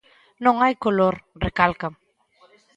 Non hai color, recalca.